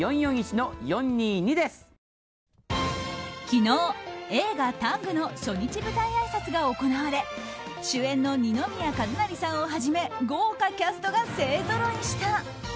昨日映画「ＴＡＮＧタング」の初日舞台あいさつが行われ主演の二宮和也さんをはじめ豪華キャストが勢ぞろいした。